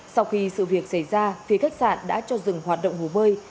sau khi sự việc xảy ra thì khách sạn đã cho dừng hoạt động hồ bơi